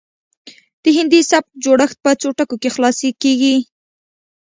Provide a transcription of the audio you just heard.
د هندي سبک جوړښت په څو ټکو کې خلاصه کیږي